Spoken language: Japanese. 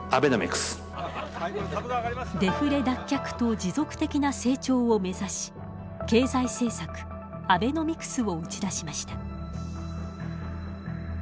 デフレ脱却と持続的な成長を目指し経済政策アベノミクスを打ち出しました。